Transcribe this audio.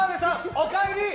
おかえり！